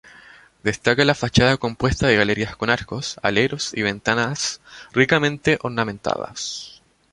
Destaca la fachada compuesta de galerías con arcos, aleros y ventanas ricamente ornamentadas.